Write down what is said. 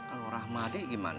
kalau ramadi gimana